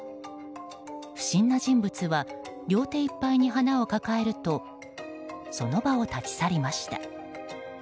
不審な人物は両手いっぱいに花を抱えるとその場を立ち去りました。